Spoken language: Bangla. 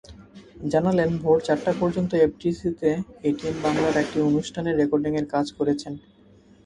জানালেন, ভোর চারটা পর্যন্ত এফডিসিতে এটিএন বাংলার একটি অনুষ্ঠানের রেকর্ডিংয়ের কাজ করেছেন।